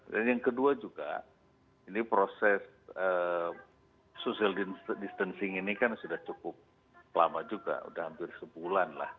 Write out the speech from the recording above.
dan yang kedua juga ini proses social distancing ini kan sudah cukup lama juga sudah hampir sebulan lah